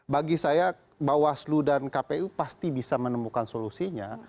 bagi saya bawaslu dan kpu pasti bisa menemukan solusinya